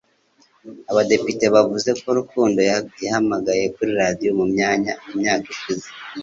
Abadepite bavuze ko Rukundo yahamagaye kuri radio mu myaka yashize